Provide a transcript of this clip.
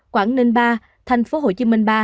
còn tùm chín bảy mươi bốn